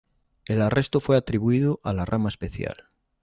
El arresto fue atribuido a la Rama Especial.